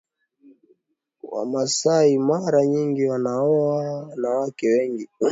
Wamasai mara nyingi wanaoa wanawake wengi